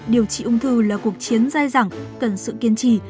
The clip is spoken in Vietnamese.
điều trị ung thư là cuộc chiến dài dẳng cần sự kiên trì